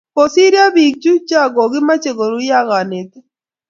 Kosiryo biik chu cho ko kimoche koruyo ak konetik